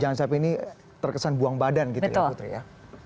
jangan sampai ini terkesan buang badan gitu ya putri ya